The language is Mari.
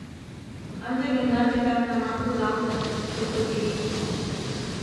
Ынде мемнан титакнамат кудалте, Кыргорий.